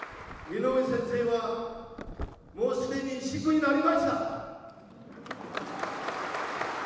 井上先生は、もうすでに食口になりました。